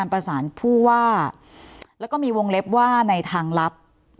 ประสานผู้ว่าแล้วก็มีวงเล็บว่าในทางลับ